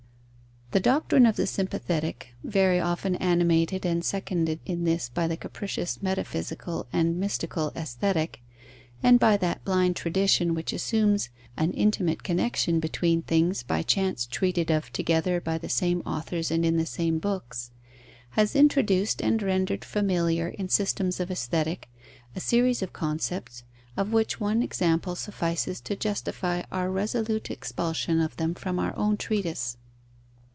_ The doctrine of the sympathetic (very often animated and seconded in this by the capricious metaphysical and mystical Aesthetic, and by that blind tradition which assumes an intimate connection between things by chance treated of together by the same authors and in the same books), has introduced and rendered familiar in systems of Aesthetic, a series of concepts, of which one example suffices to justify our resolute expulsion of them from our own treatise.